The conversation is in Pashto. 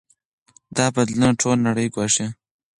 دا بدلونونه ټوله نړۍ ګواښي.